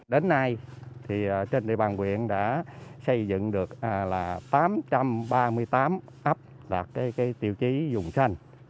đến nay trên địa bàn huyện đã xây dựng được tám trăm ba mươi tám ấp đạt tiêu chí dùng xanh